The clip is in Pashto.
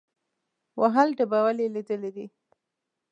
وهل ډبول یې لیدلي دي.